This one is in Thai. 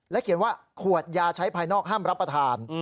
เขียนว่าขวดยาใช้ภายนอกห้ามรับประทาน